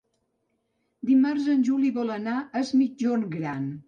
Dimarts en Juli vol anar a Es Migjorn Gran.